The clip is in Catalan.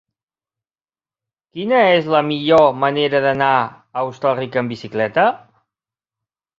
Quina és la millor manera d'anar a Hostalric amb bicicleta?